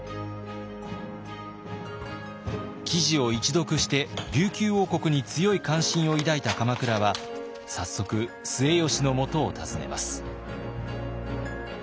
記事を一読して琉球王国に強い関心を抱いた鎌倉は早速末吉のもとを訪ねます。